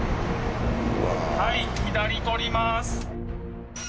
はい左通ります。